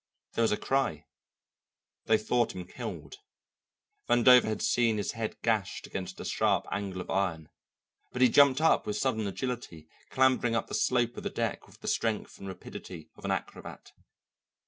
There was a cry; they thought him killed Vandover had seen his head gashed against a sharp angle of iron but he jumped up with sudden agility, clambering up the slope of the deck with the strength and rapidity of an acrobat.